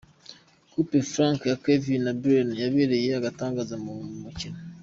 Coup franc ya Kevin De Bryne yabaye agatangaza mu mukino .